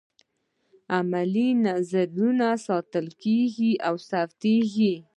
عملي نظرونه ساتل کیږي او ثبتیږي.